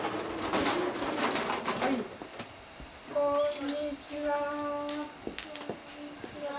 こんにちは。